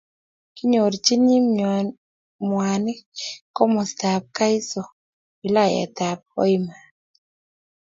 kinyorchini mwanik komostab kaiso wilayetab Hoima.